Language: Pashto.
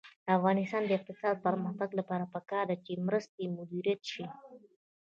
د افغانستان د اقتصادي پرمختګ لپاره پکار ده چې مرستې مدیریت شي.